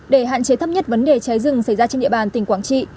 để hạn chế thấp nhất vấn đề cháy rừng xảy ra trên địa bàn tỉnh quảng trị